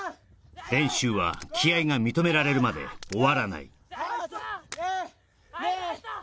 練習は気合が認められるまで終わらないはいファイト！